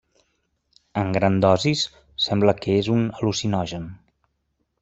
En grans dosis sembla que és un al·lucinogen.